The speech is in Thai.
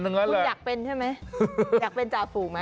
คุณอยากเป็นใช่ไหมอยากเป็นจ่าฝูงไหม